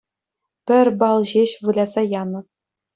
Пӗр балл ҫеҫ выляса янӑ